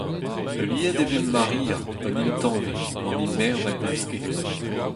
Heuliet e vez Maria, un intañvez, gant he merc'h na gomz ket.